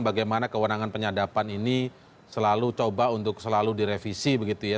bagaimana kewenangan penyadapan ini selalu coba untuk selalu direvisi begitu ya